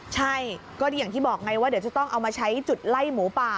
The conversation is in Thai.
ใช่ก็อย่างที่บอกไงว่าเดี๋ยวจะต้องเอามาใช้จุดไล่หมูป่า